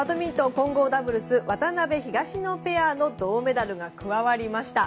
混合ダブルス渡辺、東野ペアの銅メダルが加わりました。